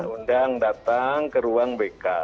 undang datang ke ruang bk